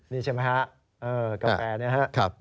นี่ใช่มั้ยครับกาแฟ